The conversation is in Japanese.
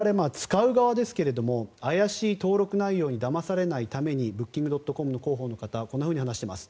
そして、我々、使う側ですが怪しい登録内容にだまされないためにブッキングドットコムの広報の方はこんなふうに話しています。